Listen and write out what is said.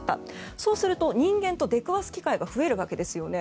そうすると人間と出くわす機会が増えるわけですよね。